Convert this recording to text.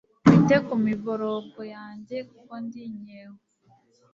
Wite ku miborogo yanjye kuko ndi inkeho